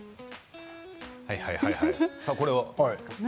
はい、はい、これは？